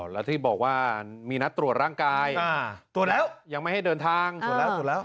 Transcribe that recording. แล้วที่บอกว่ามีนัดตรวจร่างกายตรวจแล้วยังไม่ให้เดินทางตรวจแล้วตรวจแล้ว